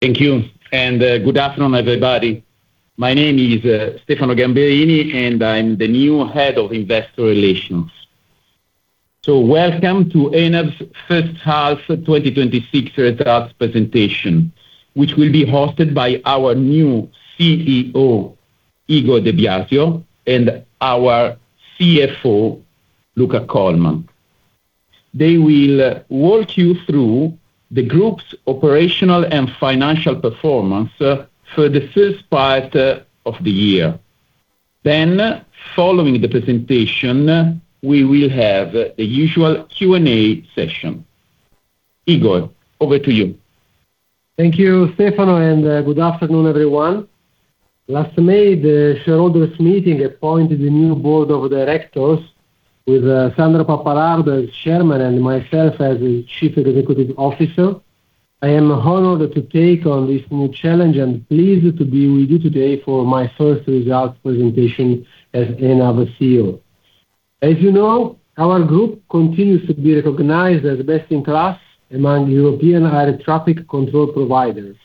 Thank you, and good afternoon, everybody. My name is Stefano Gamberini, and I am the new head of investor relations. Welcome to ENAV's first half 2026 results presentation, which will be hosted by our new Chief Executive Officer, Igor De Biasio, and our Chief Financial Officer, Luca Colman. They will walk you through the group's operational and financial performance for the first part of the year. Following the presentation, we will have the usual question-and-answer session. Igor, over to you. Thank you, Stefano, and good afternoon, everyone. Last May, the shareholders' meeting appointed a new board of directors with Sandro Pappalardo as Chairman and myself as the Chief Executive Officer. I am honored to take on this new challenge and pleased to be with you today for my first results presentation as ENAV Chief Executive Officer. As you know, our group continues to be recognized as best in class among European air traffic control providers.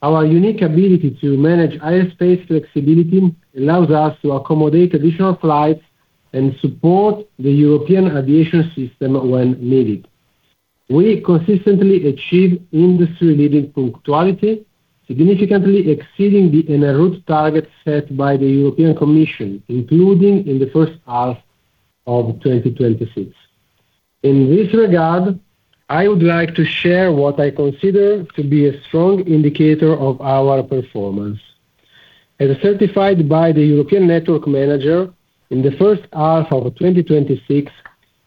Our unique ability to manage airspace flexibility allows us to accommodate additional flights and support the European aviation system when needed. We consistently achieve industry-leading punctuality, significantly exceeding the enroute target set by the European Commission, including in the first half of 2026. In this regard, I would like to share what I consider to be a strong indicator of our performance. As certified by the European network manager in the first half of 2026,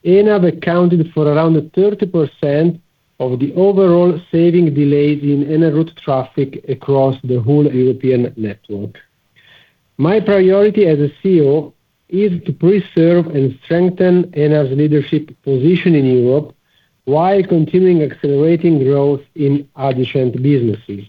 ENAV accounted for around 30% of the overall saving delays in enroute traffic across the whole European network. My priority as a Chief Executive Officer is to preserve and strengthen ENAV's leadership position in Europe while continuing accelerating growth in adjacent businesses.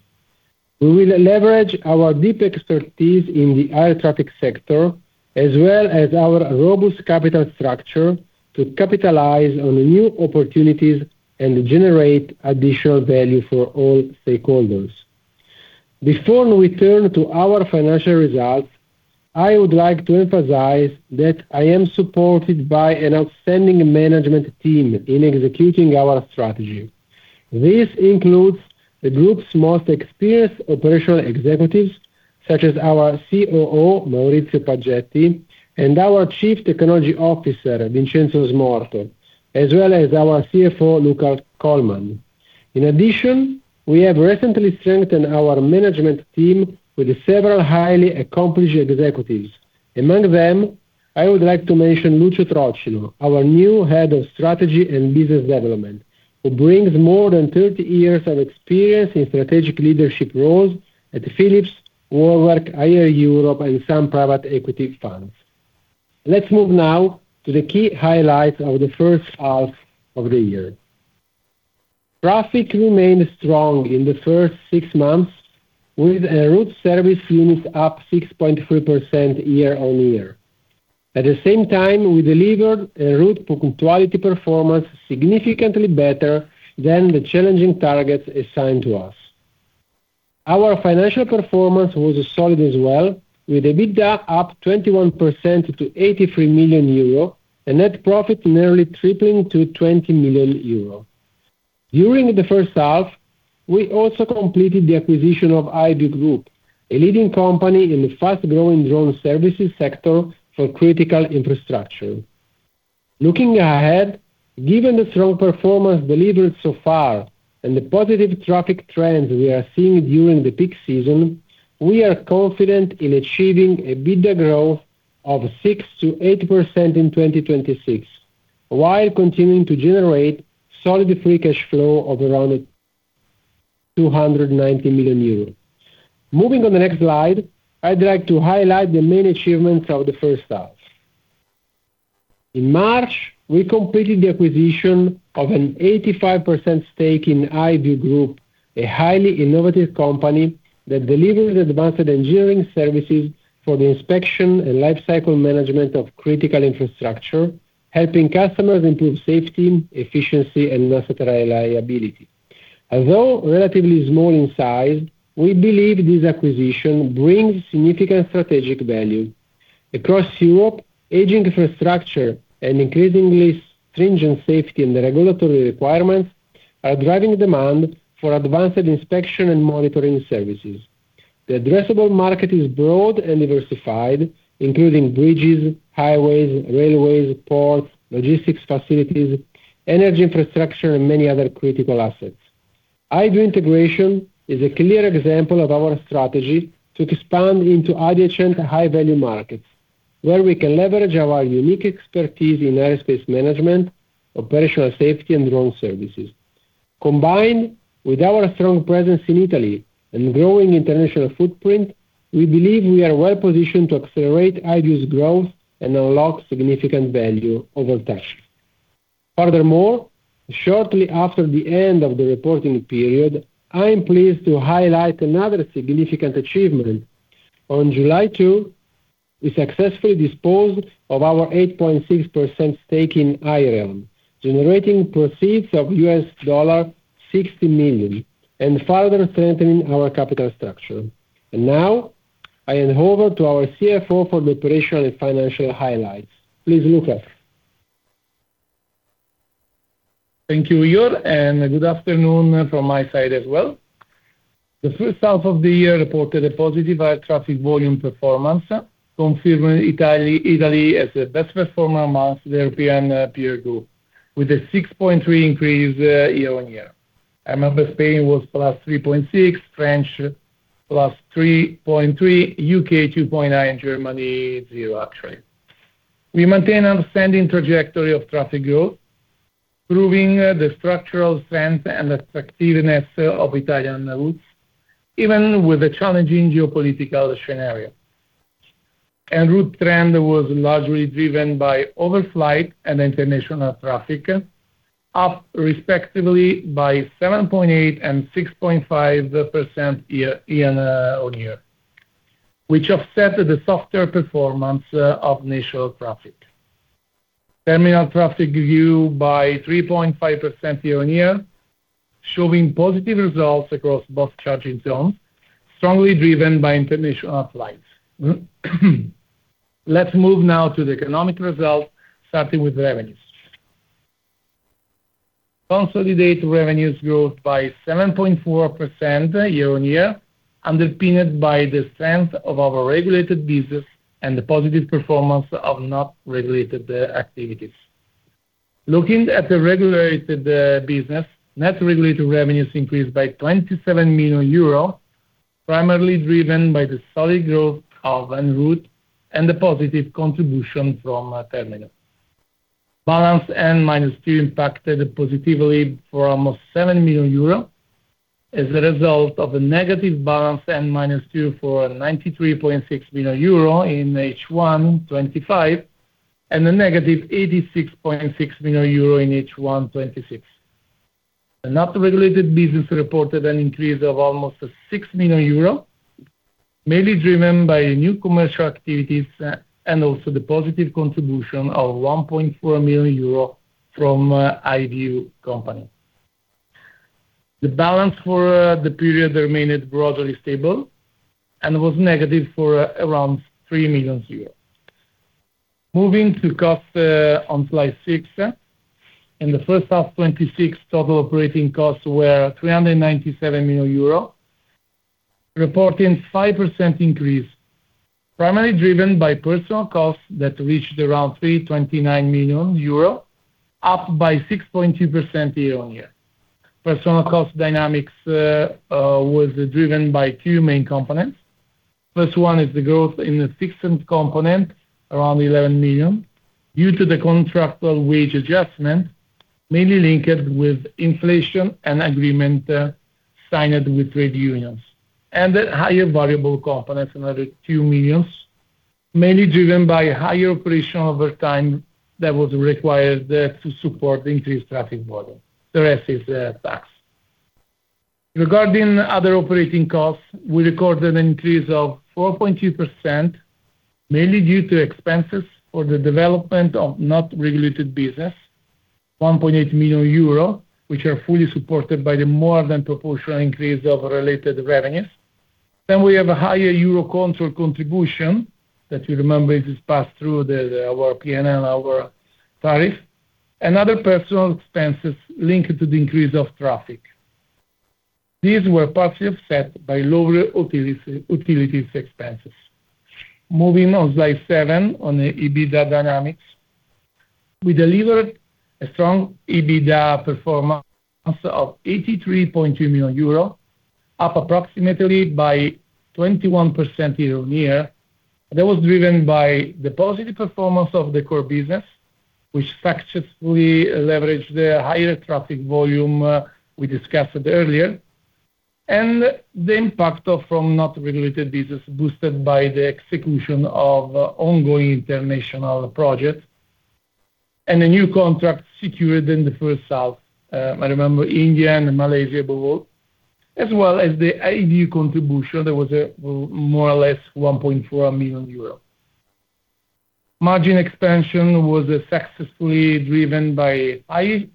We will leverage our deep expertise in the air traffic sector as well as our robust capital structure to capitalize on new opportunities and generate additional value for all stakeholders. Before we turn to our financial results, I would like to emphasize that I am supported by an outstanding management team in executing our strategy. This includes the group's most experienced operational executives, such as our Chief Operating Officer, Maurizio Paggetti, and our Chief Technology Officer, Vincenzo Smorto, as well as our Chief Financial Officer, Luca Colman. In addition, we have recently strengthened our management team with several highly accomplished executives. Among them, I would like to mention Lucio Trocino, our new head of strategy and business development, who brings more than 30 years of experience in strategic leadership roles at Philips, Warwick, IER Europe, and some private equity funds. Let's move now to the key highlights of the first half of the year. Traffic remained strong in the first six months with enroute service units up 6.3% year-on-year. At the same time, we delivered enroute punctuality performance significantly better than the challenging targets assigned to us. Our financial performance was solid as well, with EBITDA up 21% to 83 million euro, and net profit nearly tripling to 20 million euro. During the first half, we also completed the acquisition of AiViewGroup, a leading company in the fast-growing drone services sector for critical infrastructure. Looking ahead, given the strong performance delivered so far and the positive traffic trends we are seeing during the peak season, we are confident in achieving EBITDA growth of 6%-8% in 2026, while continuing to generate solid free cash flow of around 290 million euros. Moving on to the next slide, I'd like to highlight the main achievements of the first half. In March, we completed the acquisition of an 85% stake in AiViewGroup, a highly innovative company that delivers advanced engineering services for the inspection and lifecycle management of critical infrastructure, helping customers improve safety, efficiency, and asset reliability. Although relatively small in size, we believe this acquisition brings significant strategic value. Across Europe, aging infrastructure and increasingly stringent safety and regulatory requirements are driving demand for advanced inspection and monitoring services. The addressable market is broad and diversified, including bridges, highways, railways, ports, logistics facilities, energy infrastructure, and many other critical assets. AiViewGroup integration is a clear example of our strategy to expand into adjacent high-value markets where we can leverage our unique expertise in airspace management, operational safety, and drone services. Combined with our strong presence in Italy and growing international footprint, we believe we are well positioned to accelerate AiViewGroup's growth and unlock significant value over time. Furthermore, shortly after the end of the reporting period, I am pleased to highlight another significant achievement. On July 2, we successfully disposed of our 8.6% stake in Aireon LLC, generating proceeds of US$60 million and further strengthening our capital structure. Now I hand over to our Chief Financial Officer for the operational and financial highlights. Please, Luca. Thank you, Igor, and good afternoon from my side as well. The first half of the year reported a positive air traffic volume performance, confirming Italy as the best performer amongst the European peer group, with a 6.3% increase year-over-year. I remember Spain was +3.6%, France +3.3%, U.K. 2.9%, and Germany 0% actually. We maintain an outstanding trajectory of traffic growth, proving the structural strength and effectiveness of Italian routes, even with the challenging geopolitical scenario. En route trend was largely driven by overflight and international traffic, up respectively by 7.8% and 6.5% year-over-year, which offset the softer performance of national traffic. Terminal traffic grew by 3.5% year-over-year, showing positive results across both charging zones, strongly driven by international flights. Let's move now to the economic results, starting with revenues. Consolidated revenues grew by 7.4% year-over-year, underpinned by the strength of our regulated business and the positive performance of non-regulated activities. Looking at the regulated business, net regulated revenues increased by 27 million euro, primarily driven by the solid growth of en route and the positive contribution from terminals. Balance N-2 impacted positively for almost 7 million euro as a result of a negative Balance N-2 for 93.6 million euro in H1 2025, and -86.6 million euro in H1 2026. The non-regulated business reported an increase of almost 6 million euro, mainly driven by new commercial activities and also the positive contribution of 1.4 million euro from AiViewGroup. The balance for the period remained broadly stable and was negative for around 3 million euros. Moving to costs on slide six. In the first half 2026, total operating costs were 397 million euro, reporting 5% increase, primarily driven by personal costs that reached around 329 million euro, up by 6.2% year-on-year. Personal cost dynamics was driven by two main components. First one is the growth in the fixed component, around 11 million, due to the contractual wage adjustment mainly linked with inflation and agreement signed with trade unions. The higher variable component, another 2 million, mainly driven by higher operational overtime that was required to support the increased traffic volume. The rest is tax. Regarding other operating costs, we recorded an increase of 4.2%, mainly due to expenses for the development of non-regulated business, 1.8 million euro, which are fully supported by the more than proportional increase of related revenues. We have a higher Eurocontrol contribution that you remember is passed through our P&L, our tariff, and other personal expenses linked to the increase of traffic. These were partially offset by lower utilities expenses. Moving on slide seven on the EBITDA dynamics. We delivered a strong EBITDA performance of 83.2 million euro, up approximately by 21% year-on-year. That was driven by the positive performance of the core business, which successfully leveraged the higher traffic volume we discussed earlier, and the impact from non-regulated business boosted by the execution of ongoing international projects and the new contract secured in the first half. I remember India and Malaysia, both, as well as the AiViewGroup contribution, that was more or less 1.4 million euros. Margin expansion was successfully driven by high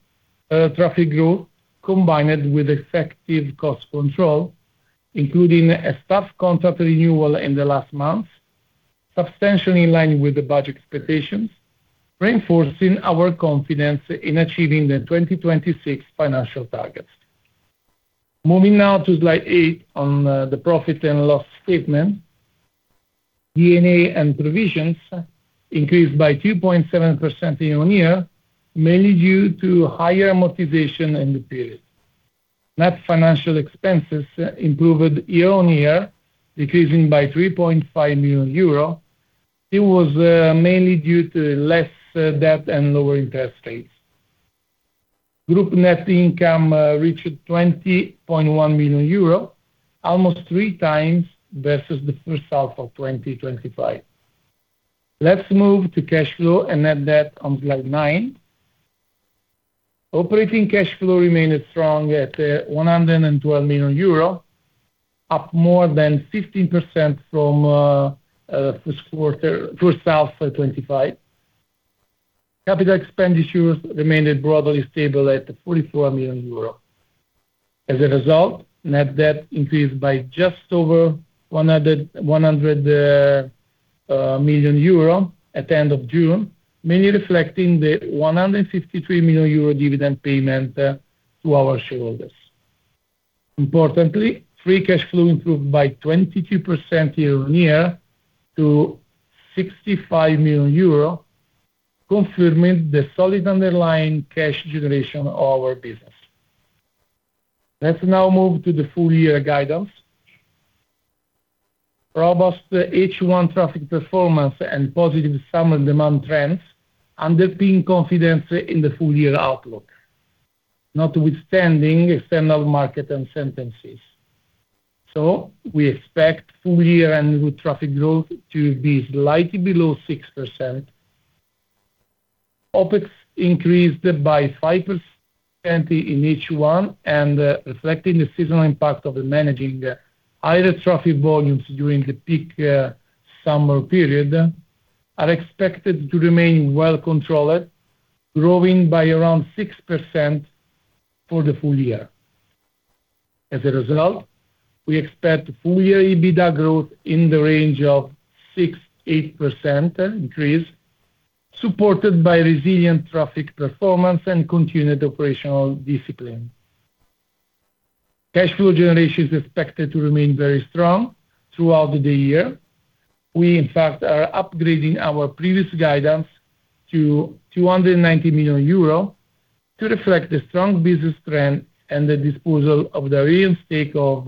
traffic growth combined with effective cost control, including a staff contract renewal in the last month, substantially in line with the budget expectations, reinforcing our confidence in achieving the 2026 financial targets. Moving now to slide eight on the profit and loss statement. D&A and provisions increased by 2.7% year-on-year, mainly due to higher amortization in the period. Net financial expenses improved year-on-year, decreasing by 3.5 million euro. It was mainly due to less debt and lower interest rates. Group net income reached 20.1 million euro, almost 3x versus the first half of 2025. Let's move to cash flow and net debt on slide nine. Operating cash flow remained strong at 112 million euro, up more than 15% from first half 2025. Capital expenditures remained broadly stable at 44 million euro. As a result, net debt increased by just over 100 million euro at the end of June, mainly reflecting the 153 million euro dividend payment to our shareholders. Importantly, free cash flow improved by 22% year-over-year to 65 million euro, confirming the solid underlying cash generation of our business. Let's now move to the full year guidance. Robust H1 traffic performance and positive summer demand trends underpin confidence in the full-year outlook, notwithstanding external market uncertainties. We expect full year annual traffic growth to be slightly below 6%. OPEX increased by 5% in H1 and reflecting the seasonal impact of managing higher traffic volumes during the peak summer period, are expected to remain well controlled, growing by around 6% for the full year. As a result, we expect full year EBITDA growth in the range of 6%-8% increase, supported by resilient traffic performance and continued operational discipline. Cash flow generation is expected to remain very strong throughout the year. We, in fact, are upgrading our previous guidance to 290 million euro to reflect the strong business trend and the disposal of the Aireon stake of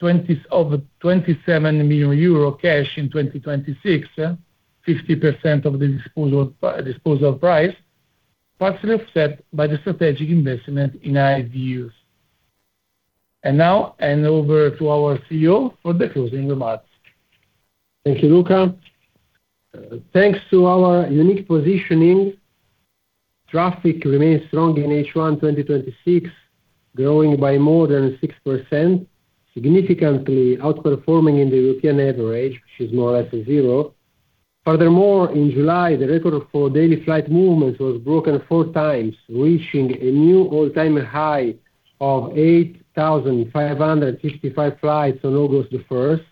27 million euro cash in 2026, 50% of the disposal price, partially offset by the strategic investment in AiViewGroup. Now, hand over to our Chief Executive Officer for the closing remarks. Thank you, Luca. Thanks to our unique positioning, traffic remains strong in H1 2026, growing by more than 6%, significantly outperforming in the European average, which is more or less a zero. Furthermore, in July, the record for daily flight movements was broken four times, reaching a new all-time high of 8,565 flights on August 1st.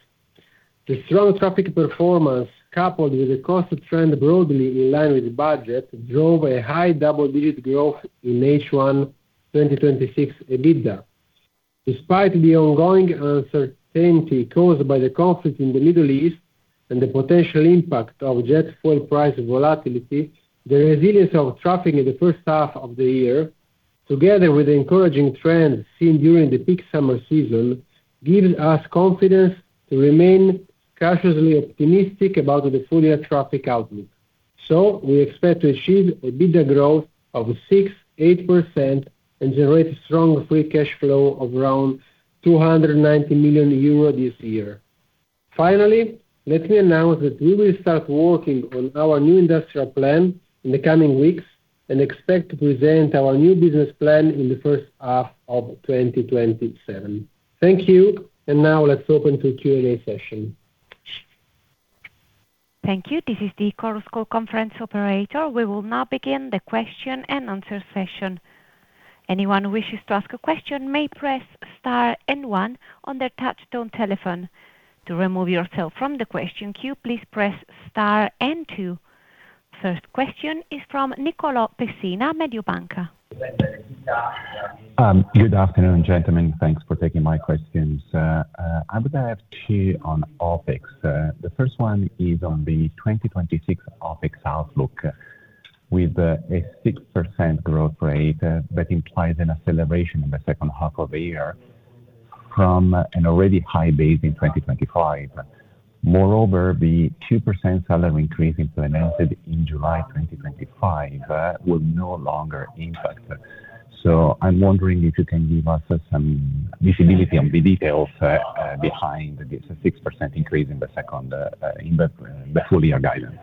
The strong traffic performance, coupled with the cost trend broadly in line with the budget, drove a high double-digit growth in H1 2026 EBITDA. Despite the ongoing uncertainty caused by the conflict in the Middle East and the potential impact of jet fuel price volatility, the resilience of traffic in the first half of the year, together with the encouraging trends seen during the peak summer season, gives us confidence to remain cautiously optimistic about the full year traffic outlook. We expect to achieve EBITDA growth of 6%-8% and generate strong free cash flow of around 290 million euro this year. Finally, let me announce that we will start working on our new industrial plan in the coming weeks and expect to present our new business plan in the first half of 2027. Thank you. Now let's open to question-and-answer session. Thank you. This is the Chorus Call Conference Operator. We will now begin the question-and-answer session. Anyone who wishes to ask a question may press star and one on their touchtone telephone. To remove yourself from the question queue, please press star and two. First question is from Nicolò Pessina, Mediobanca. Good afternoon, gentlemen. Thanks for taking my questions. I would have two on OPEX. The first one is on the 2026 OPEX outlook. With a 6% growth rate, that implies an acceleration in the second half of the year from an already high base in 2025. Moreover, the 2% salary increase implemented in July 2025 will no longer impact. I'm wondering if you can give us some visibility on the details behind this 6% increase in the full-year guidance.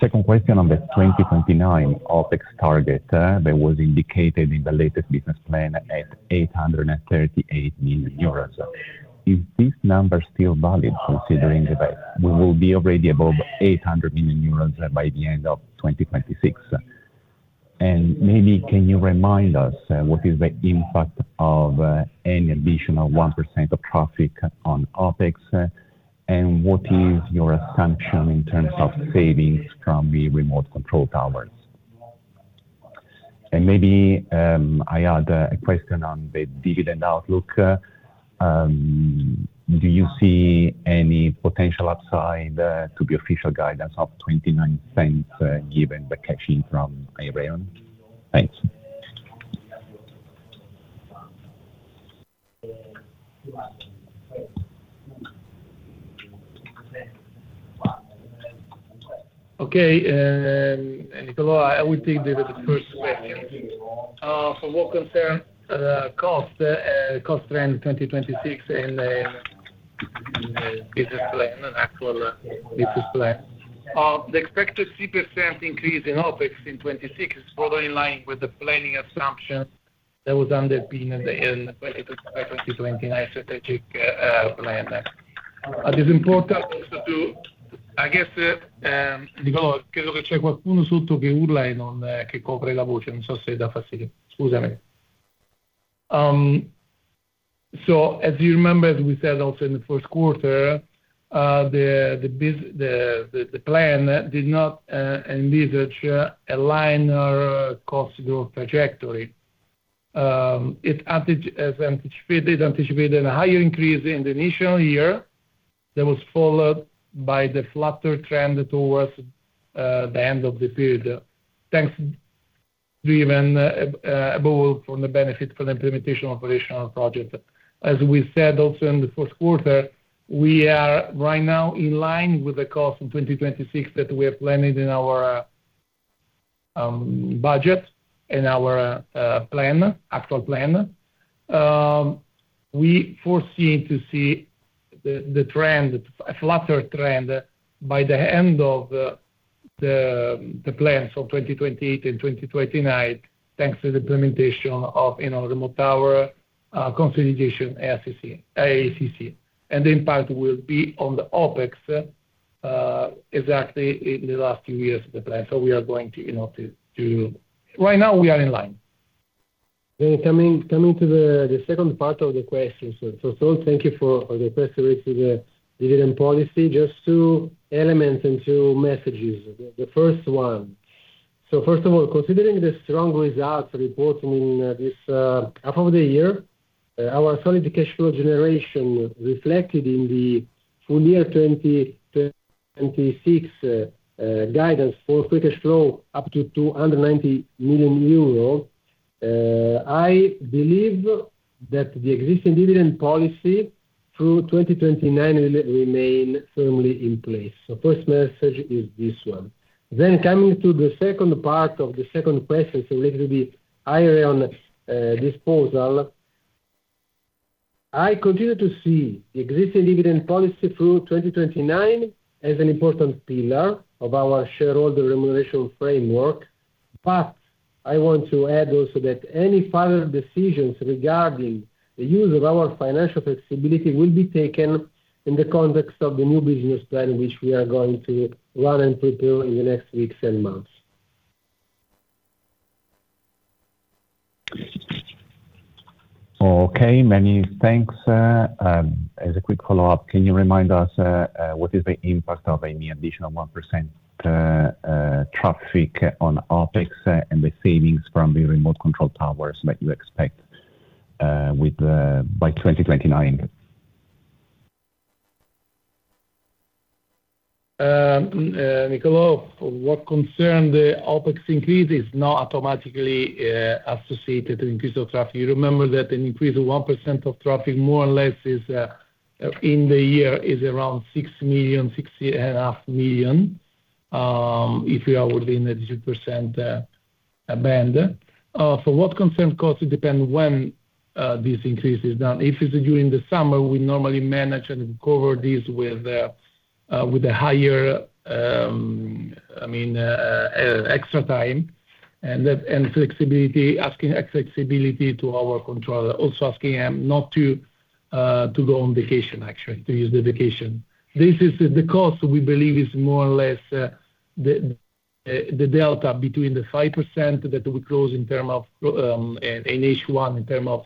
Second question on the 2029 OPEX target that was indicated in the latest business plan at 838 million euros. Is this number still valid considering that we will be already above 800 million euros by the end of 2026? Maybe can you remind us what is the impact of any additional 1% of traffic on OPEX, and what is your assumption in terms of savings from the remote control towers? Maybe I add a question on the dividend outlook. Do you see any potential upside to the official guidance of 0.29 given the cash in from Aireon? Thanks. Okay. Nicolò, I will take the first question. For what concerns cost trend 2026 and Business plan and actual business plan. The expected 3% increase in OPEX in 2026 is totally in line with the planning assumption that was underpin in the 2029 strategic plan. It is important also to, I guess, Nicolò, I think there's someone underneath yelling and it's covering your voice. I don't know if it's bothering you. Sorry. As you remember, as we said also in the first quarter, the plan did not envisage a linear cost growth trajectory. It anticipated a higher increase in the initial year that was followed by the flatter trend towards the end of the period, thanks driven above from the benefit from the implementation of operational project. As we said also in the first quarter, we are right now in line with the cost of 2026 that we have planned in our budget, in our actual plan. We foresee to see the flatter trend by the end of the plans for 2028 and 2029, thanks to the implementation of remote tower consolidation ACC. The impact will be on the OPEX exactly in the last few years of the plan. Right now we are in line. Coming to the second part of the question. Thank you for the question related to the dividend policy. Just two elements and two messages. The first one. First of all, considering the strong results reported in this half of the year, our solid cash flow generation reflected in the full year 2026 guidance for free cash flow up to 290 million euro. I believe that the existing dividend policy through 2029 will remain firmly in place. First message is this one. Coming to the second part of the second question, related to the Aireon disposal. I continue to see the existing dividend policy through 2029 as an important pillar of our shareholder remuneration framework. I want to add also that any further decisions regarding the use of our financial flexibility will be taken in the context of the new business plan, which we are going to run and prepare in the next weeks and months. Okay. Many thanks. As a quick follow-up, can you remind us what is the impact of any additional 1% traffic on OpEx and the savings from the remote control towers that you expect by 2029? Nicolò, for what concern the OpEx increase is not automatically associated to increase of traffic. You remember that an increase of 1% of traffic more or less in the year is around 6 million, 6.5 million, if we are within a 2% band. For what concern cost, it depends when this increase is done. If it's during the summer, we normally manage and cover this with a higher extra time and flexibility to our controller. Also asking them not to go on vacation, actually, to use the vacation. The cost we believe is more or less the delta between the 5% that we close in H1 in term of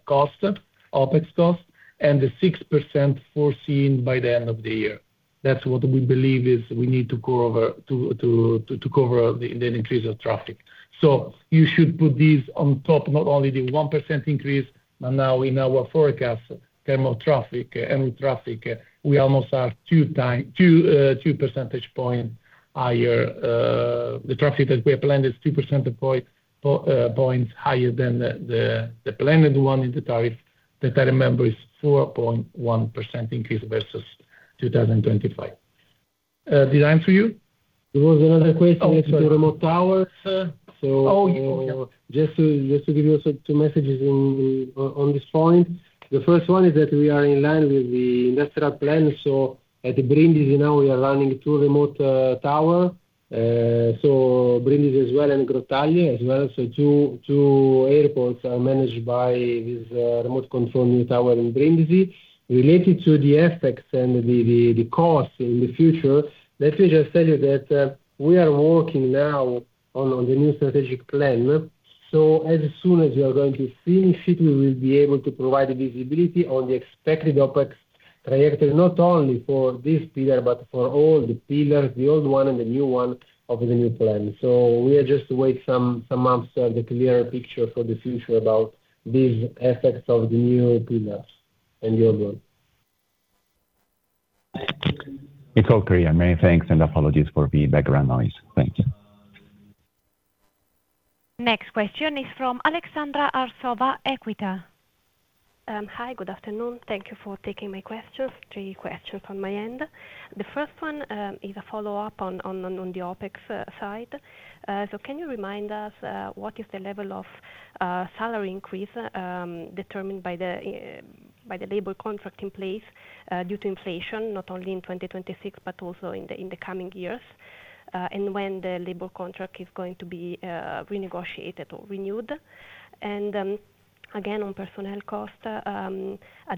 OpEx cost, and the 6% foreseen by the end of the year. That's what we believe is we need to cover the increase of traffic. You should put these on top, not only the 1% increase, but now in our forecast term of traffic, annual traffic, we almost are 2 percentage points higher. The traffic that we have planned is 2 percentage points higher than the planned one in the tariff that I remember is 4.1% increase versus 2025. Did I answer you? There was another question related to remote towers. Oh, yeah. Just to give you two messages on this point. The first one is that we are in line with the industrial plan. At Brindisi now we are running two remote tower. Brindisi as well, and Grottaglie as well. Two airports are managed by this remote control new tower in Brindisi. Related to the aspects and the cost in the future, let me just tell you that we are working now on the new strategic plan. As soon as we are going to finish it, we will be able to provide visibility on the expected OPEX trajectory, not only for this pillar but for all the pillars, the old one and the new one of the new plan. We just wait some months the clearer picture for the future about these aspects of the new pillars. You, go on. It's all clear. Many thanks and apologies for the background noise. Thank you. Next question is from Aleksandra Arsova, Equita. Hi, good afternoon. Thank you for taking my questions. Three questions on my end. The first one is a follow-up on the OpEx side. Can you remind us what is the level of a salary increase determined by the labor contract in place due to inflation, not only in 2026 but also in the coming years, and when the labor contract is going to be renegotiated or renewed. Again, on personnel cost, at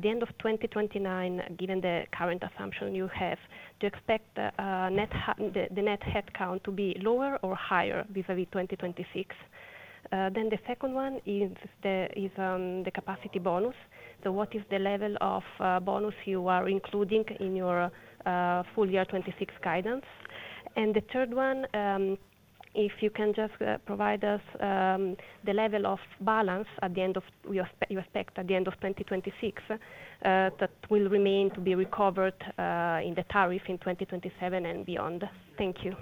the end of 2029, given the current assumption, you have to expect the net headcount to be lower or higher vis-à-vis 2026. The second one is the capacity bonus. What is the level of bonus you are including in your full year 2026 guidance? The third one, if you can just provide us the level of balance you expect at the end of 2026 that will remain to be recovered in the tariff in 2027 and beyond. Thank you.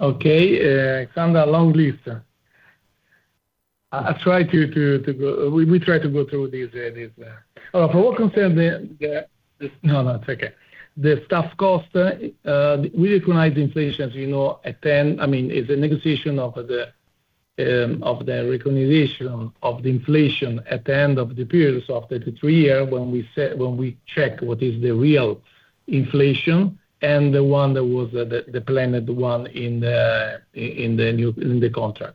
Okay. Sandra, long list. We try to go through these. For what concern the staff cost, we recognize inflation as a negotiation of the recognition of the inflation at the end of the period, so after the three year, when we check what is the real inflation and the one that was the planned one in the contract.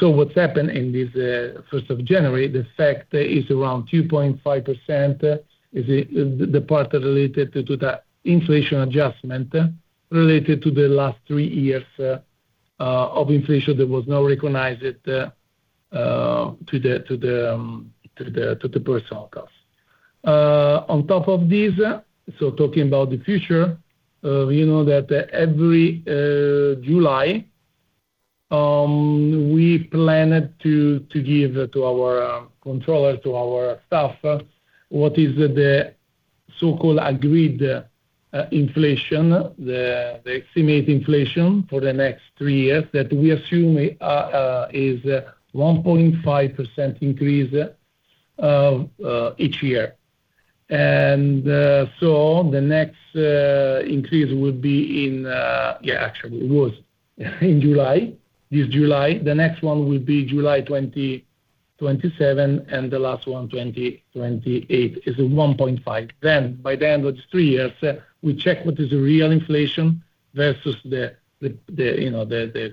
What's happened in this 1st of January, the effect is around 2.5%, is the part related to the inflation adjustment related to the last three years of inflation that was now recognized to the personnel cost. On top of this, so talking about the future, you know that every July, we planned to give to our controller, to our staff what is the so-called agreed inflation, the estimated inflation for the next three years that we assume is 1.5% increase each year. The next increase will be in Yeah, actually, it was in July. This July. The next one will be July 2027, and the last one, 2028, is a 1.5%. By the end of three years, we check what is the real inflation versus the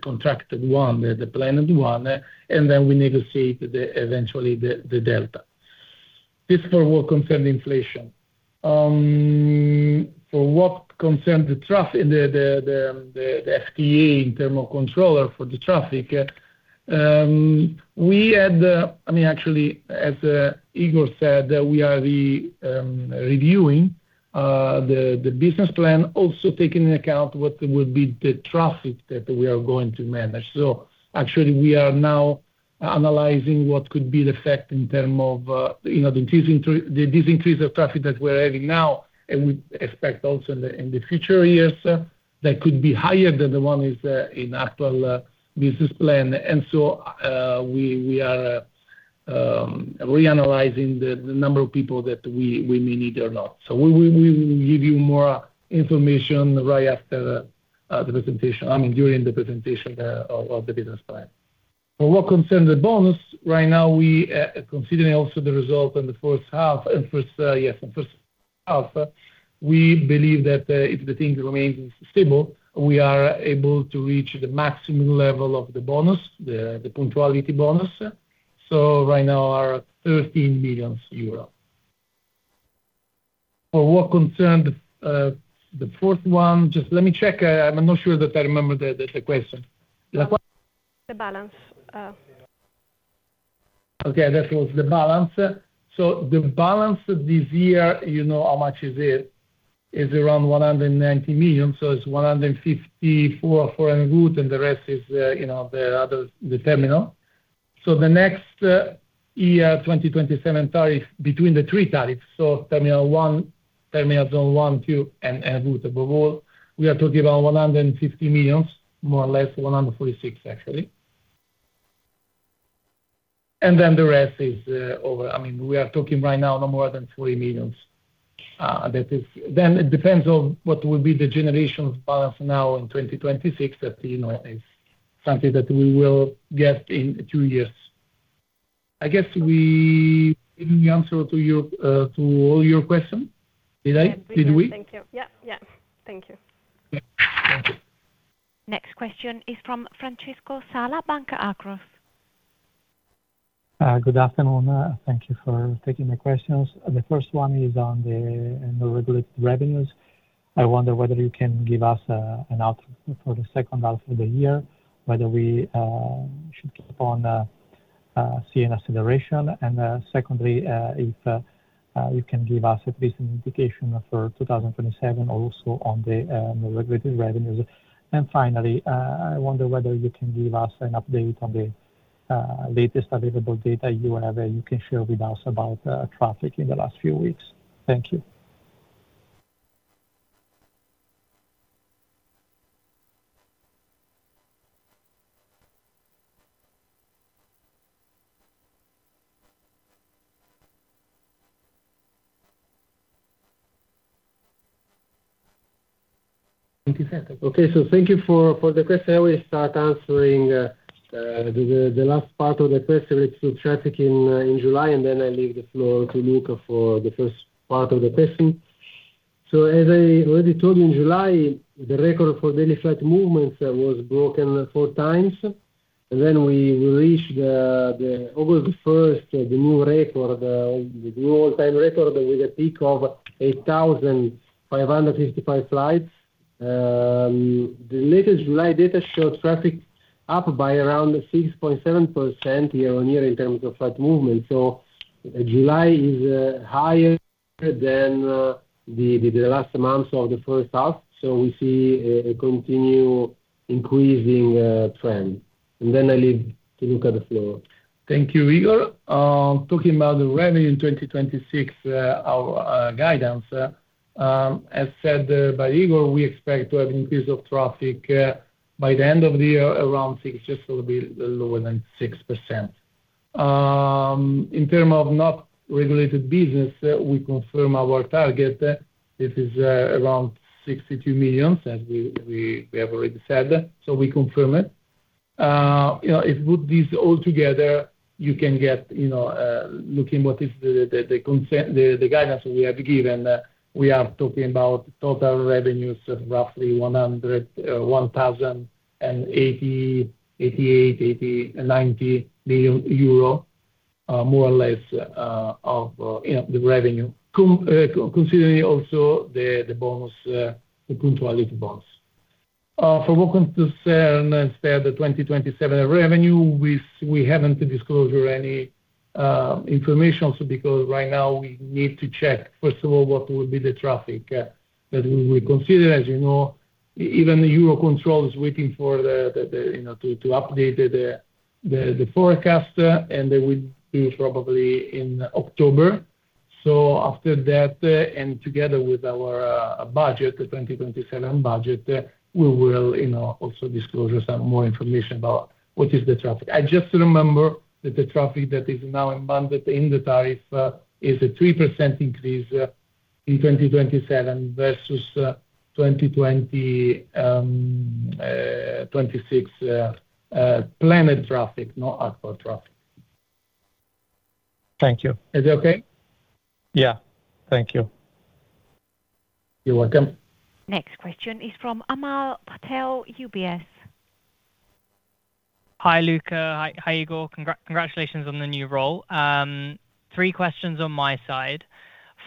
contracted one, the planned one, and we negotiate eventually the delta. This for what concern inflation. For what concern the traffic, the FTE in term of controller for the traffic, actually, as Igor said, we are reviewing the business plan, also taking into account what will be the traffic that we are going to manage. Actually, we are now analyzing what could be the effect in term of this increase of traffic that we're having now, and we expect also in the future years that could be higher than the one is in actual business plan. We are reanalyzing the number of people that we may need or not. We will give you more information right after the presentation, during the presentation of the business plan. For what concerns the bonus, right now, we are considering also the result in the first half. We believe that if the things remain stable, we are able to reach the maximum level of the bonus, the punctuality bonus. Right now are 13 million euros. For what concerned the fourth one, just let me check. I'm not sure that I remember the question. The balance. That was the balance. The balance this year, you know how much is it, is around 190 million, it's 154 foreign route, and the rest is the terminal. The next year, 2027 tariff between the three tariffs, Terminal 1, Terminal Zone 1, Terminal Zone 2, and route above all, we are talking about 150 million, more or less, 146, actually. The rest is over. We are talking right now no more than 3 million. It depends on what will be the generation of balance now in 2026 that is something that we will get in two years. I guess we gave the answer to all your question. Did I? Did we? Yeah. Thank you. Next question is from Francesco Sala, Banca Akros. Good afternoon. Thank you for taking my questions. The first one is on the regulated revenues. I wonder whether you can give us an outlook for the second half of the year, whether we should keep on seeing an acceleration. Secondly, if you can give us at least an indication for 2027 also on the regulated revenues. Finally, I wonder whether you can give us an update on the latest available data you have, you can share with us about traffic in the last few weeks. Thank you. 20 seconds. Okay. Thank you for the question. I will start answering the last part of the question related to traffic in July, and then I leave the floor to Luca for the first part of the question. As I already told you, in July, the record for daily flight movements was broken four times. We reached, August 1st, the new all-time record with a peak of 8,555 flights. The latest July data showed traffic up by around 6.7% year-on-year in terms of flight movement. July is higher than the last months of the first half. We see a continued increasing trend. I leave to Luca the floor. Thank you, Igor. Talking about the revenue in 2026, our guidance, as said by Igor, we expect to have increase of traffic by the end of the year around just a little bit lower than 6%. In terms of non-regulated business, we confirm our target. It is around 62 million as we have already said. We confirm it. If put these all together, you can get looking what is the guidance we have given. We are talking about total revenues of roughly 1,080, 88, 90 million euro, more or less of the revenue. Considering also the punctuality bonus. For what concerns instead the 2027 revenue, we haven't disclosed any information also because right now we need to check, first of all, what will be the traffic that we will consider. As you know, even the Eurocontrol is waiting to update the forecast, and they will do it probably in October. After that, and together with our budget, the 2027 budget, we will also disclose some more information about what is the traffic. I just remember that the traffic that is now embedded in the tariff is a 3% increase in 2027 versus 2026 planned traffic, not actual traffic. Thank you. Is it okay? Yeah. Thank you. You're welcome. Next question is from Amal Patel, UBS. Hi, Luca. Hi, Igor. Congratulations on the new role. Three questions on my side.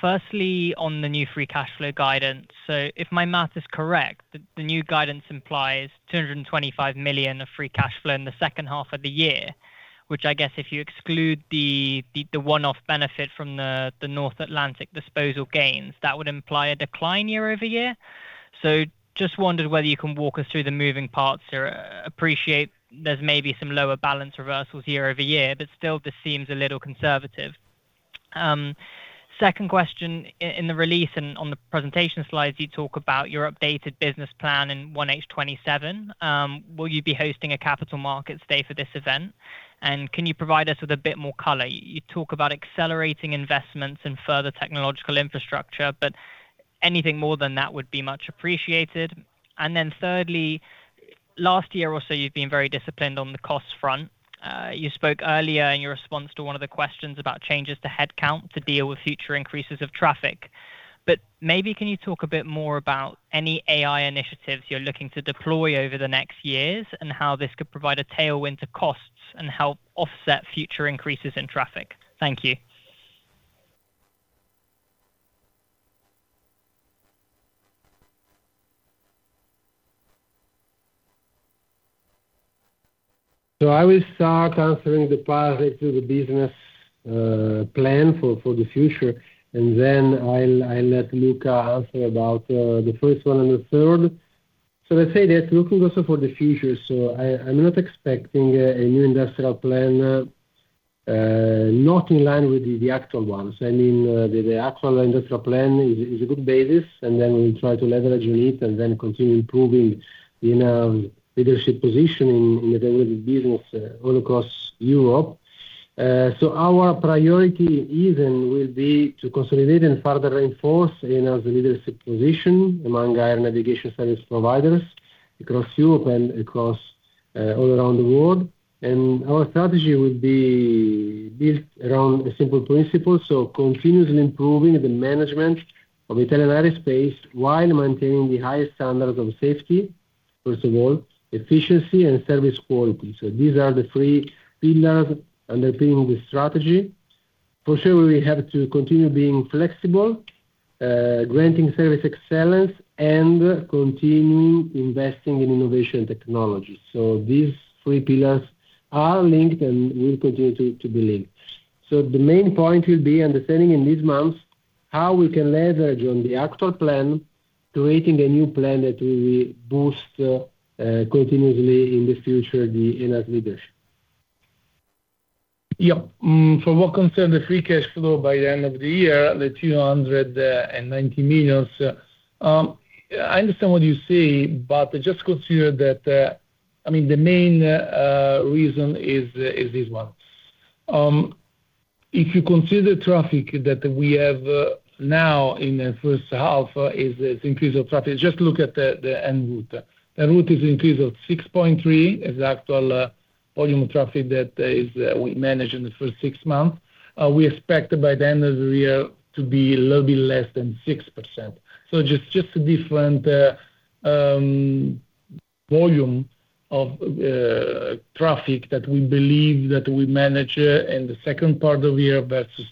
Firstly, on the new free cash flow guidance. If my math is correct, the new guidance implies 225 million of free cash flow in the second half of the year, which I guess if you exclude the one-off benefit from the North Atlantic disposal gains, that would imply a decline year-over-year. Just wondered whether you can walk us through the moving parts there. Appreciate there's maybe some lower balance reversals year-over-year, but still this seems a little conservative. Second question, in the release and on the presentation slides, you talk about your updated business plan in 1H 2027. Will you be hosting a capital markets day for this event? Can you provide us with a bit more color? You talk about accelerating investments in further technological infrastructure, anything more than that would be much appreciated. Thirdly, last year or so, you've been very disciplined on the cost front. You spoke earlier in your response to one of the questions about changes to headcount to deal with future increases of traffic. Maybe can you talk a bit more about any AI initiatives you're looking to deploy over the next years, and how this could provide a tailwind to costs and help offset future increases in traffic? Thank you. I will start answering the part related to the business plan for the future, I'll let Luca answer about the first one and the third. Let's say that looking also for the future, I'm not expecting a new industrial plan not in line with the actual ones. The actual industrial plan is a good basis, we try to leverage on it continue improving ENAV leadership position in the regulated business all across Europe. Our priority even will be to consolidate and further reinforce ENAV's leadership position among air navigation service providers across Europe and across all around the world. Our strategy will be built around a simple principle, continuously improving the management of Italian airspace while maintaining the highest standards of safety, first of all, efficiency and service quality. These are the three pillars underpinning this strategy. For sure, we have to continue being flexible, granting service excellence, and continue investing in innovation technology. These three pillars are linked and will continue to be linked. The main point will be understanding in these months how we can leverage on the actual plan to creating a new plan that will boost continuously in the future the ENAV leadership. Yep. For what concern the free cash flow by the end of the year, 290 million. I understand what you say, just consider that the main reason is this one. If you consider traffic that we have now in the first half is the increase of traffic, just look at the Enroute. Enroute is increase of 6.3%, exact total volume of traffic that we managed in the first six months. We expect by the end of the year to be a little bit less than 6%. Just a different volume of traffic that we believe that we manage in the second part of the year versus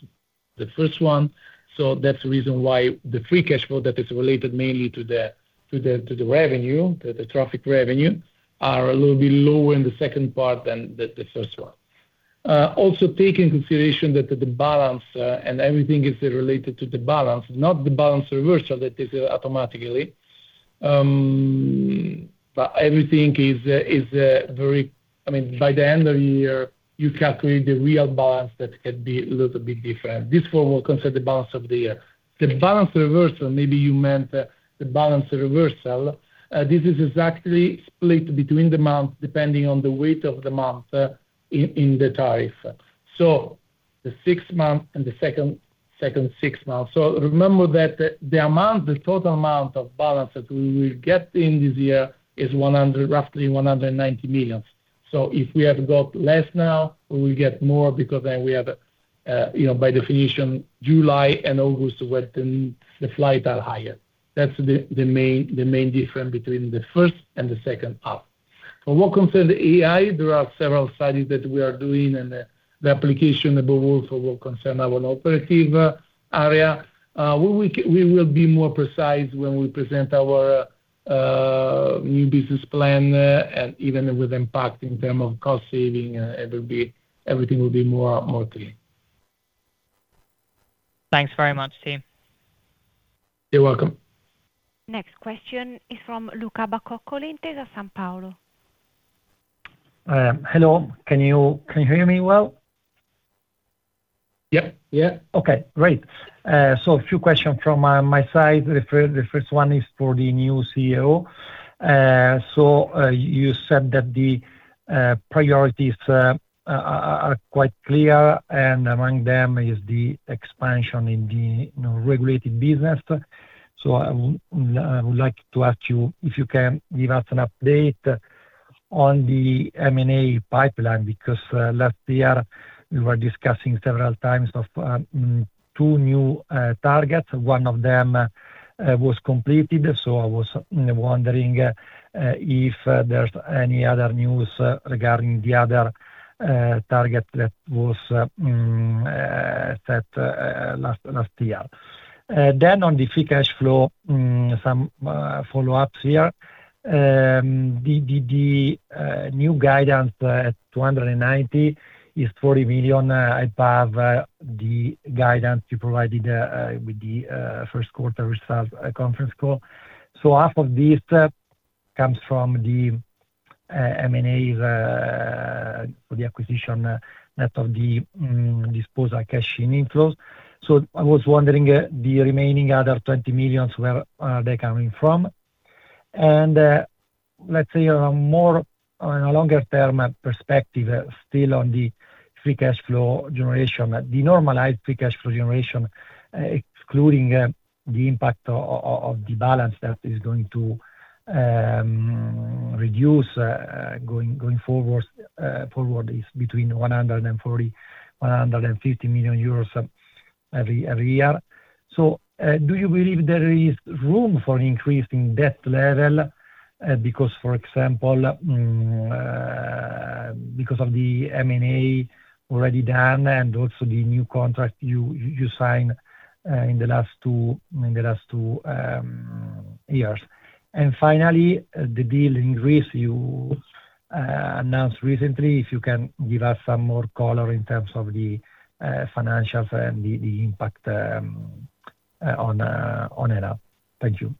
the first one. That's the reason why the free cash flow that is related mainly to the traffic revenue are a little bit lower in the second part than the first one. Take into consideration that the balance and everything is related to the balance, not the balance reversal that is automatically. By the end of the year, you calculate the real balance, that can be a little bit different. This one will consider the balance of the year. The balance reversal, maybe you meant the balance reversal. This is exactly split between the months depending on the weight of the month in the tariff. The six months and the second six months. Remember that the total amount of balance that we will get in this year is roughly 190 million. If we have got less now, we will get more because then we have, by definition, July and August, when the flights are higher. That's the main difference between the first and the second half. For what concerns AI, there are several studies that we are doing. The application above also will concern our operative area. We will be more precise when we present our new business plan. Even with impact in terms of cost saving, everything will be more clear. Thanks very much, team. You're welcome. Next question is from Luca Bacoccoli, the Intesa Sanpaolo. Hello, can you hear me well? Yep, yeah. Okay, great. A few questions from my side. The first one is for the new Chief Executive Officer. You said that the priorities are quite clear, and among them is the expansion in the regulated business. I would like to ask you if you can give us an update on the M&A pipeline, because last year we were discussing several times of two new targets. One of them was completed. I was wondering if there's any other news regarding the other target that was set last year. On the free cash flow, some follow-ups here. The new guidance at 290 is 40 million above the guidance you provided with the first quarter results conference call. Half of this comes from the M&A for the acquisition net of the disposal cash inflows. I was wondering, the remaining other 20 million, where are they coming from? Let's say on a longer term perspective, still on the free cash flow generation, the normalized free cash flow generation, excluding the impact of the balance that is going to reduce going forward is between 140 million-150 million euros every year. Do you believe there is room for an increase in debt level? Because, for example, because of the M&A already done and also the new contract you signed in the last two years. Finally, the deal in Greece you announced recently, if you can give us some more color in terms of the financials and the impact on ENAV. Thank you.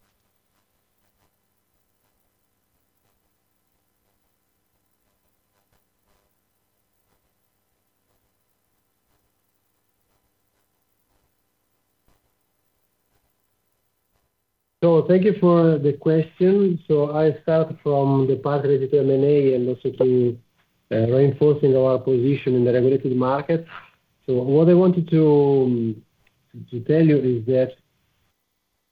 Thank you for the question. I start from the part related to M&A and also to reinforcing our position in the regulated market. What I wanted to tell you is that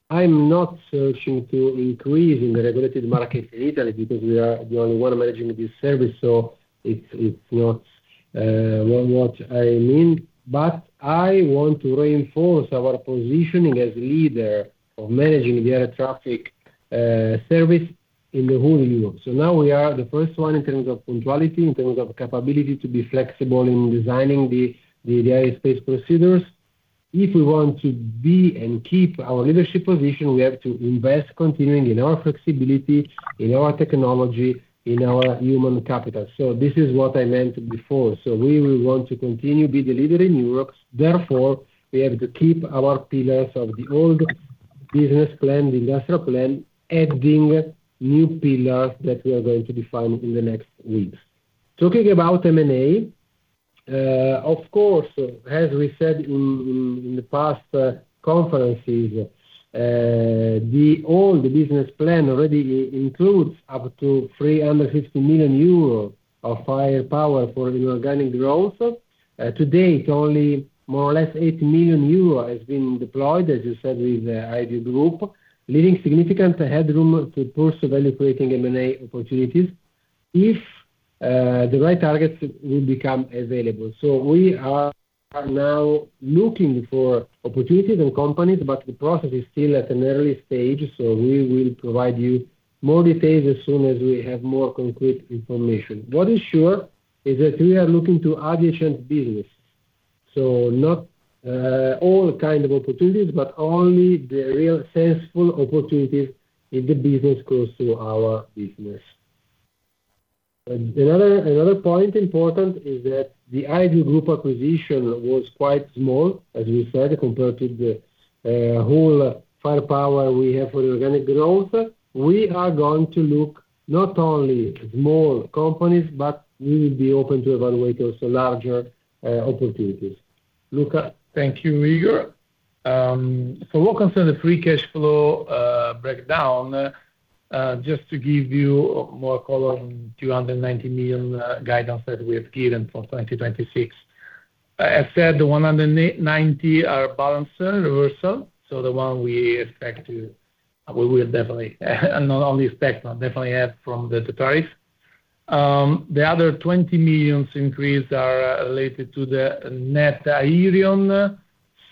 I'm not searching to increase in the regulated market in Italy because we are the only one managing this service, it's not what I mean. I want to reinforce our positioning as leader of managing the air traffic service in the whole Europe. Now we are the first one in terms of punctuality, in terms of capability to be flexible in designing the airspace procedures. If we want to be and keep our leadership position, we have to invest continuing in our flexibility, in our technology, in our human capital. This is what I meant before. We will want to continue be the leader in Europe. We have to keep our pillars of the old business plan, the industrial plan, adding new pillars that we are going to define in the next weeks. Talking about M&A, of course, as we said in the past conferences, the old business plan already includes up to 350 million euros of firepower for new organic growth. Today, it's only more or less 80 million euro has been deployed, as you said, with the AiViewGroup, leaving significant headroom to pursue value-creating M&A opportunities if the right targets will become available. We are now looking for opportunities and companies, but the process is still at an early stage. We will provide you more details as soon as we have more concrete information. What is sure is that we are looking to adjacent business. Not all kind of opportunities, but only the real sensible opportunities if the business goes through our business. Another point important is that the AiViewGroup acquisition was quite small, as we said, compared to the whole firepower we have for the organic growth. We are going to look not only small companies, but we will be open to evaluate also larger opportunities. Luca. Thank you, Igor. What concerns the free cash flow breakdown, just to give you more color on 290 million guidance that we have given for 2026. As said, the 190 are Balance N-2 reversal, so the one we will definitely not only expect, but definitely have from the tariff. The other 20 million increase are related to the net Aireon.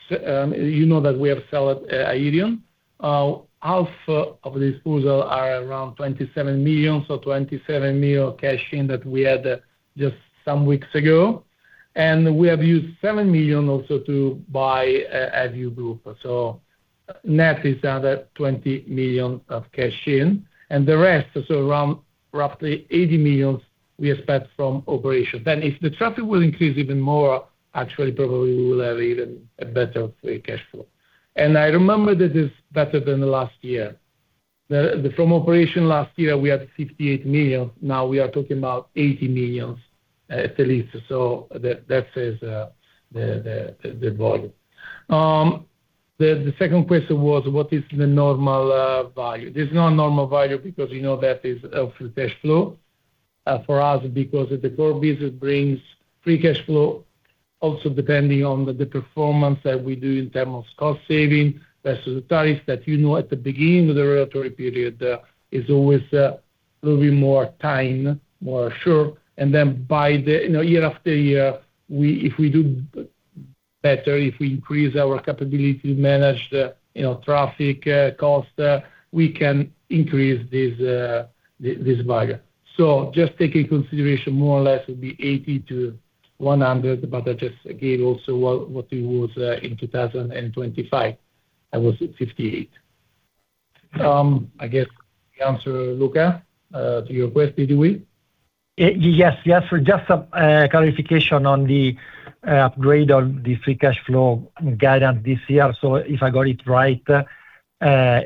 You know that we have sold Aireon. Half of this total is around 27 million, so 27 million cash-in that we had just some weeks ago, and we have used 7 million also to buy AiViewGroup. Net is another 20 million of cash-in, and the rest, so around roughly 80 million, we expect from operations. If the traffic will increase even more, actually probably we will have even a better free cash flow. I remember that is better than the last year. From operation last year, we had 68 million, now we are talking about 80 million at least. That says the volume. The second question was, what is the normal value? There's no normal value because you know that is a free cash flow for us because the core business brings free cash flow also depending on the performance that we do in terms of cost-saving versus the tariffs that you know at the beginning of the regulatory period, is always a little bit more time, more sure, and then year after year, if we do better, if we increase our capability to manage the traffic cost, we can increase this value. Just take in consideration more or less it'll be 80 million-100 million, but I just gave also what it was in 2025. That was at 58 million. I guess we answered, Luca, to your question. Did we? Yes. Just some clarification on the upgrade on the free cash flow guidance this year. If I got it right,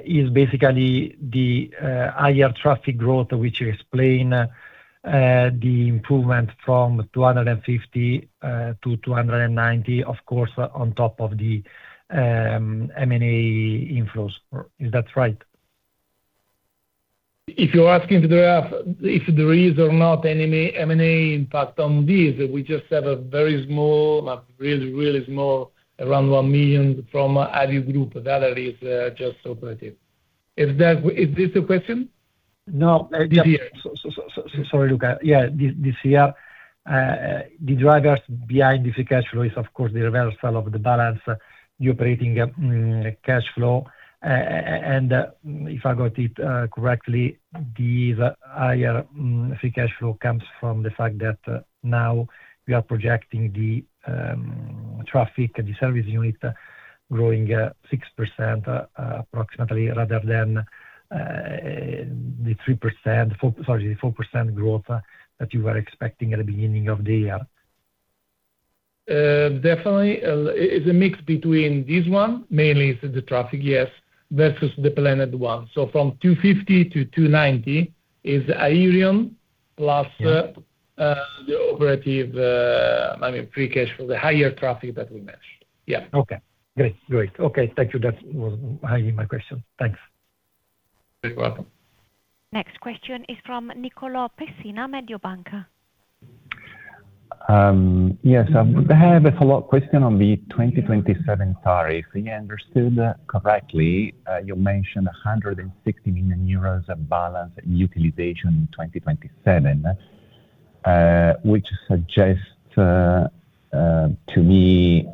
is basically the higher traffic growth which explain the improvement from 250 million-290 million, of course, on top of the M&A inflows. Is that right? If you're asking if there is or not M&A impact on this, we just have a very small, really small, around 1 million from AiViewGroup. The other is just operative. Is this the question? No. This year. Sorry, Luca. Yeah, this year. The drivers behind the free cash flow is, of course, the reversal of the balance, the operating cash flow. If I got it correctly, the higher free cash flow comes from the fact that now we are projecting the traffic, the service unit growing 6% approximately rather than the 3%, sorry, the 4% growth that you were expecting at the beginning of the year. Definitely. It's a mix between this one, mainly it's the traffic, yes, versus the planned one. From 250 million-290 million is Aireon. The operative, I mean free cash flow, the higher traffic that we managed. Yeah. Okay. Great. Okay. Thank you. That was highly my question. Thanks. You're welcome. Next question is from Nicolò Pessina, Mediobanca. Yes. I have a follow-up question on the 2027 tariff. If I understood correctly, you mentioned 160 million euros of balance utilization in 2027, which suggests to me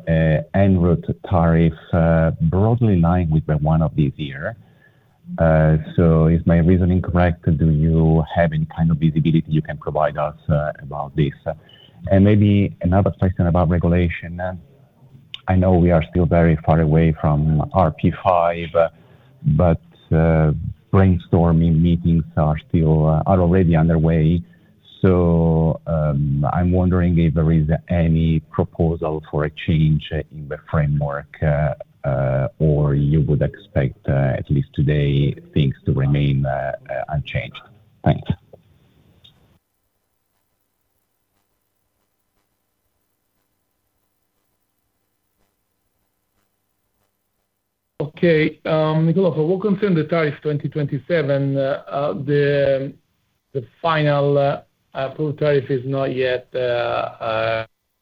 en route tariff broadly in line with the one of this year. Is my reasoning correct? Do you have any kind of visibility you can provide us about this? Maybe another question about regulation. I know we are still very far away from RP5, but brainstorming meetings are already underway. I'm wondering if there is any proposal for a change in the framework, or you would expect, at least today, things to remain unchanged. Thanks. Okay, Nicolò, for what concern the tariff 2027, the final approved tariff is not yet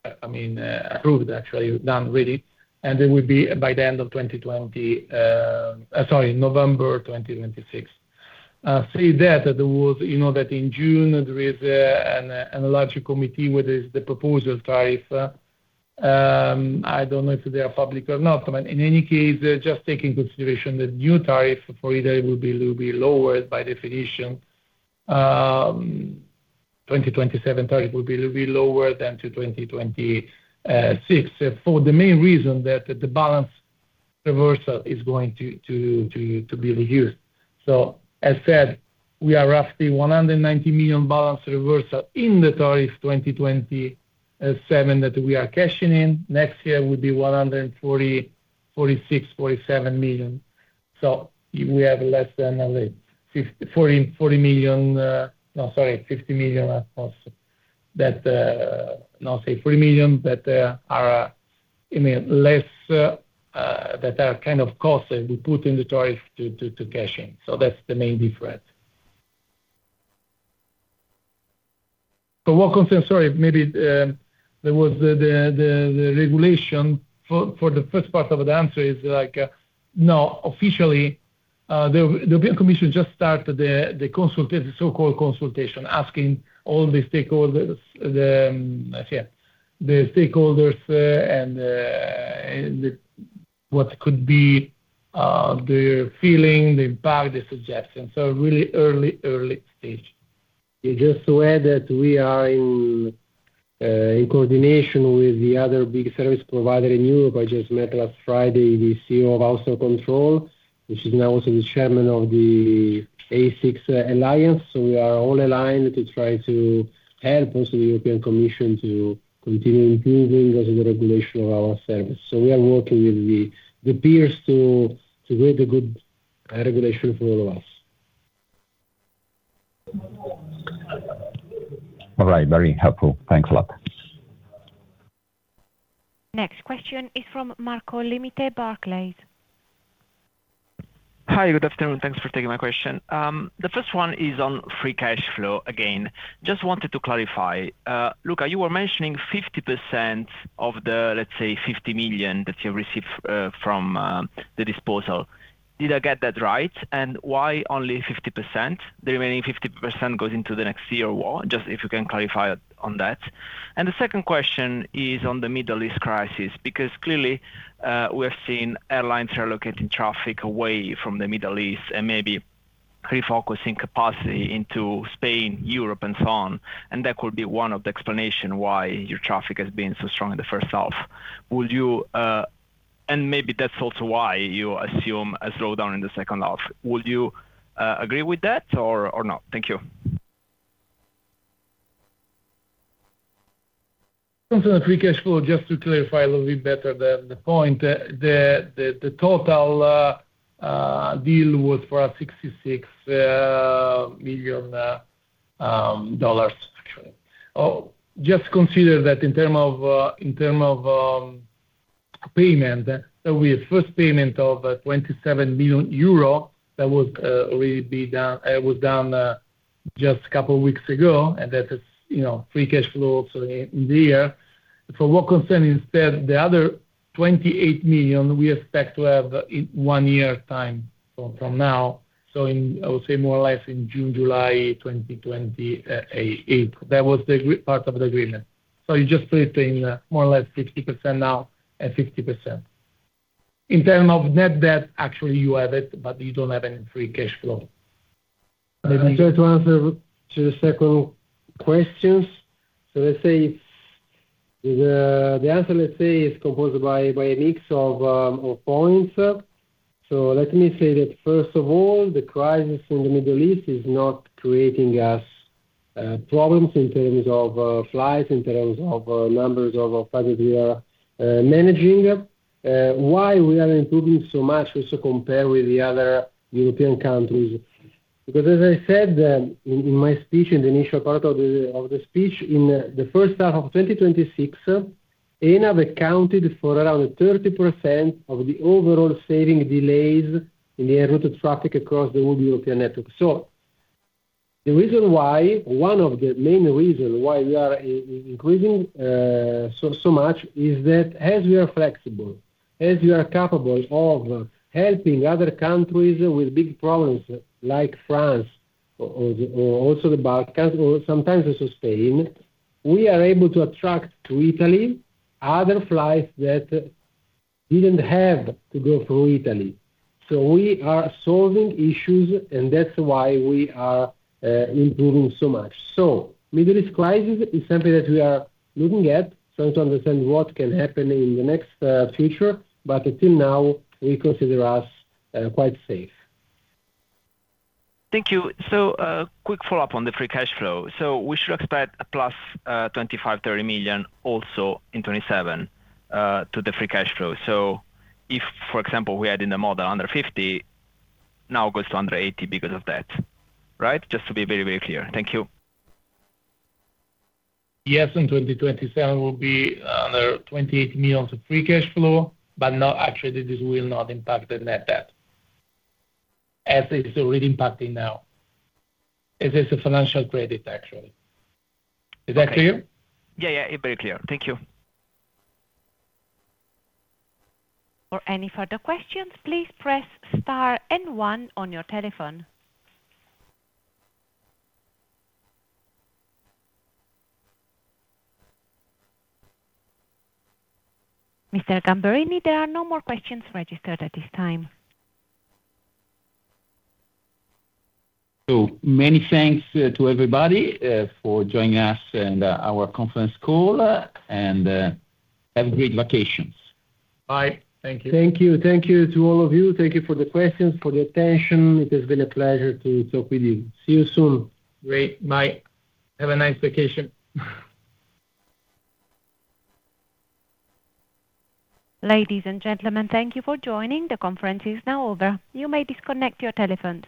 approved, actually, done with it, and it will be by November 2026. Say that in June, there is an analytical committee with the proposal tariff. I don't know if they are public or not. In any case, just take in consideration the new tariff for either will be a little bit lower by definition. 2027 tariff will be a little bit lower than 2026, for the main reason that the Balance N-2 reversal is going to be reduced. As said, we are roughly 190 million Balance N-2 reversal in the tariff 2027 that we are cashing in. Next year will be 146 million, EUR 147 million. We have less than 50 million across that, no, say 3 million, that are less, that are costs that we put in the tariff to cash in. That's the main difference. For what concerns, sorry, maybe there was the regulation. For the first part of the answer is like, no. Officially, the European Commission just started the so-called consultation, asking all the stakeholders what could be their feeling, the impact, the suggestion. Really early stage. Just to add that we are in coordination with the other big service providers in Europe. I just met last Friday with the Chief Executive Officer of Eurocontrol, which is now also the chairman of the A6 Alliance. We are all aligned to try to help also the European Commission to continue improving also the regulation of our service. We are working with the peers to build a good regulation for all of us. All right. Very helpful. Thanks a lot. Next question is from Marco Limite, Barclays. Hi, good afternoon. Thanks for taking my question. The first one is on free cash flow, again. Just wanted to clarify. Luca, you were mentioning 50% of the, let's say, 50 million that you received from the disposal. Did I get that right? Why only 50%? The remaining 50% goes into the next year or what? Just if you can clarify on that. The second question is on the Middle East crisis, because clearly, we have seen airlines are locating traffic away from the Middle East and maybe refocusing capacity into Spain, Europe, and so on, and that could be one of the explanation why your traffic has been so strong in the first half. Maybe that's also why you assume a slowdown in the second half. Would you agree with that or not? Thank you. For the free cash flow, just to clarify a little bit better the point, the total deal was for $66 million, actually. Just consider that in term of payment, there will be a first payment of 27 million euro that was done just a couple of weeks ago, that is free cash flow also in the year. For what concern instead, the other 28 million we expect to have in one year time from now, in, I would say more or less in June, July 2028. That was the part of the agreement. You just split in more or less 60% now at 50%. In term of net debt, actually, you have it, but you don't have any free cash flow. Let me try to answer to the second question. The answer, let's say, is composed by a mix of points. Let me say that first of all, the crisis in the Middle East is not creating us problems in terms of flights, in terms of numbers of passengers we are managing. Why we are improving so much also compared with the other European countries. Because as I said in my speech, in the initial part of the speech, in the first half of 2026, ENAV accounted for around 30% of the overall saving delays in the air route traffic across the whole European network. One of the main reason why we are increasing so much is that as we are flexible, as we are capable of helping other countries with big problems like France or also the Balkans, or sometimes also Spain, we are able to attract to Italy other flights that didn't have to go through Italy. We are solving issues, and that's why we are improving so much. Middle East crisis is something that we are looking at, trying to understand what can happen in the next future, but until now, we consider us quite safe. Thank you. Quick follow-up on the free cash flow. We should expect a +25 million, 30 million also in 2027, to the free cash flow. If, for example, we had in the model 150 million, now goes to 180 million because of that, right? Just to be very clear. Thank you. Yes, in 2027 will be another 28 million of free cash flow, no, actually, this will not impact the net debt, as it's already impacting now. This is a financial credit, actually. Is that clear? Yeah. Very clear. Thank you. For any further questions, please press star and one on your telephone. Mr. Gamberini, there are no more questions registered at this time. Many thanks to everybody for joining us in our conference call, and have a great vacation. Bye. Thank you. Thank you. Thank you to all of you. Thank you for the questions, for the attention. It has been a pleasure to talk with you. See you soon. Great. Bye. Have a nice vacation. Ladies and gentlemen, thank you for joining. The conference is now over. You may disconnect your telephones.